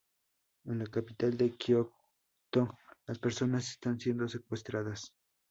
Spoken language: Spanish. En la capital de Kyoto las personas están siendo secuestradas.